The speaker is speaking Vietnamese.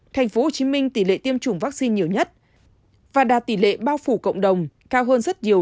tp hcm tỉ lệ tiêm chủng vắc xin nhiều nhất và đạt tỉ lệ bao phủ cộng đồng cao hơn rất nhiều